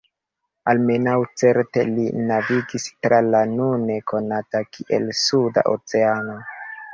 Almenaŭ certe li navigis tra la nune konata kiel Suda Oceano.